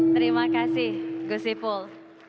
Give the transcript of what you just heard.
terima kasih gusipul